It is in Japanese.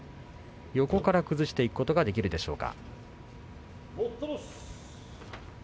横から崩していくことはできるでしょうか。